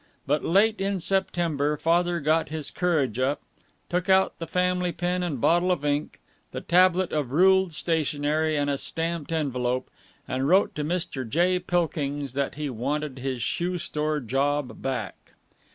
But late in September Father got his courage up, took out the family pen and bottle of ink, the tablet of ruled stationery and a stamped envelope, and wrote to Mr. J. Pilkings that he wanted his shoe store job back.